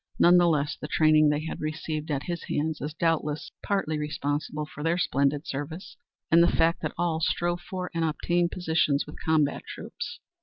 None the less the training they had received at his hands is doubtless partly responsible for their splendid service and the fact that all strove for and obtained positions with combat troops.